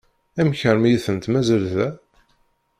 Amek armi i tent-mazal da?